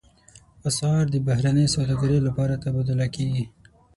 اسعار د بهرنۍ سوداګرۍ لپاره تبادله کېږي.